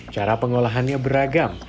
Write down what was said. cara pengolahannya beragam